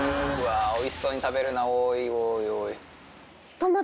おいしそうに食べるなぁおいおいおい。